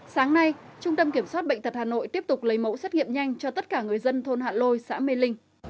sáng nay trung tâm kiểm soát bệnh tật hà nội tiếp tục lấy mẫu xét nghiệm nhanh cho tất cả người dân thôn hạ lôi xã mê linh